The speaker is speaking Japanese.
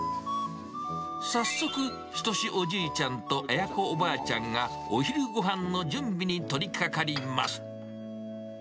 早速、均おじいちゃんと綾子おばあちゃんが、お昼ごはんの準備に取りかかります。